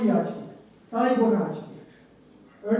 kita menempatkan manila